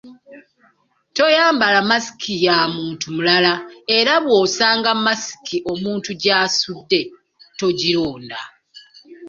Toyambala masiki ya muntu mulala era bw’osanga masiki omuntu gy’asudde, togironda.